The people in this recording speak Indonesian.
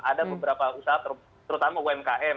ada beberapa usaha terutama umkm